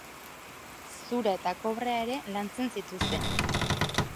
Zura eta kobrea ere lantzen zituzten.